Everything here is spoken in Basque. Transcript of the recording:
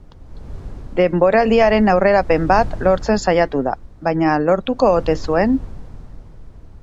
Denboraldiaren aurrerapen bat lortzen saiatu da, baina lortuko ote zuen?